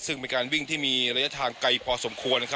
ซึ่งเป็นการวิ่งที่มีระยะทางไกลพอสมควร